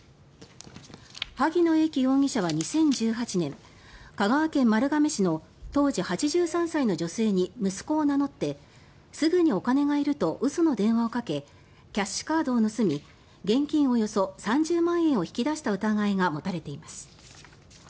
萩野英樹容疑者は２０１８年香川県丸亀市の当時８３歳の女性に息子を名乗ってすぐにお金がいると嘘の電話をかけキャッシュカードを盗み現金およそ３０万円を引き出した疑いが持たれています。